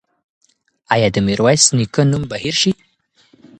ایا د میرویس نیکه نوم به هېر شي؟